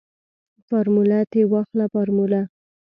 فارموله تې واخله فارموله.